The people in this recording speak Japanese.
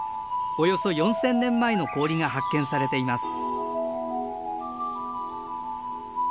およそ４，０００年前の氷が発見されています。